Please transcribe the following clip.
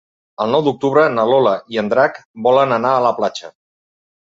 El nou d'octubre na Lola i en Drac volen anar a la platja.